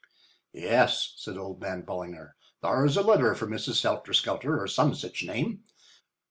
"Yes," said old man Ballinger, "thar's a letter for Mrs. Helterskelter, or some sich name.